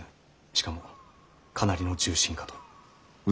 しかもかなりの重臣かと。